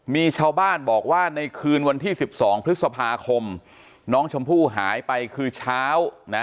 มีชาวบ้านบอกว่าในคืนวันที่๑๒พฤษภาคมน้องชมพู่หายไปคือเช้านะ